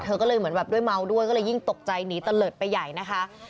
ก็เลยเหมือนแบบด้วยเมาด้วยก็เลยยิ่งตกใจหนีตะเลิศไปใหญ่นะคะ